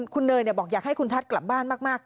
คุณเนยบอกอยากให้คุณทัศน์กลับบ้านมาก